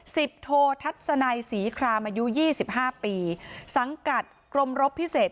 โททัศนัยศรีครามอายุยี่สิบห้าปีสังกัดกรมรบพิเศษ